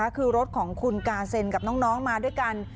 คือรถของคุณกาเซนกับน้องมาด้วยกัน